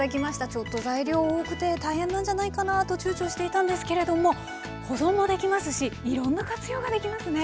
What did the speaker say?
ちょっと材料多くて大変なんじゃないかなと躊躇していたんですけれども保存もできますしいろんな活用ができますね。